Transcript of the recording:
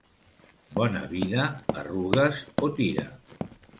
Bona vida, arrugues o tira.